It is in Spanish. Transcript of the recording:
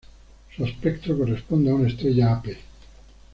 Su espectro corresponde a una estrella Ap.